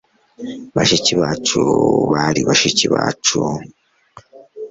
bashiki bacu bari bashiki bacu